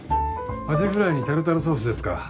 アジフライにタルタルソースですか。